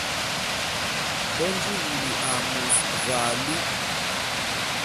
Be nji wulu a môs ve alu.